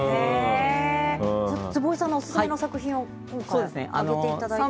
坪井さんのオススメの作品を今回挙げていただきました。